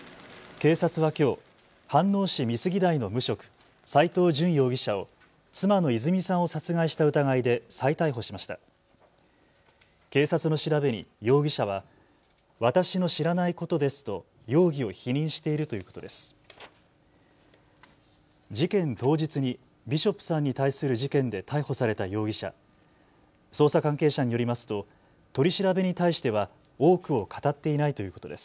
警察の調べに容疑者は私の知らないことですと容疑を否認しているということです。